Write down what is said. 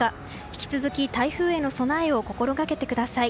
引き続き台風への備えを心掛けてください。